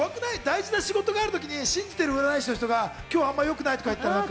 大事な仕事を控えているときに信じてる占い師の人が今日はあまり良くないって言ったら。